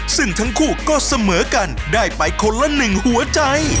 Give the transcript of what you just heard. ซึ่งทั้งคู่ก็เสมอกันได้ไปคนละหนึ่งหัวใจ